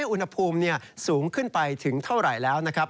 อุณหภูมิสูงขึ้นไปถึงเท่าไหร่แล้วนะครับ